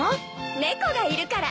猫がいるから。